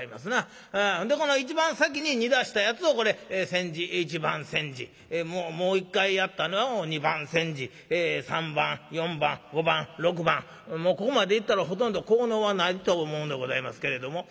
でこの一番先に煮出したやつをこれ一番煎じもう一回やったのを二番煎じ三番四番五番六番もうここまでいったらほとんど効能はないと思うんでございますけれども。